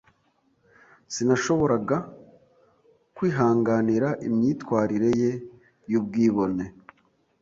Sinashoboraga kwihanganira imyitwarire ye y'ubwibone.